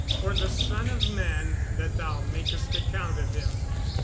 or the son of man, that thou makest account of him."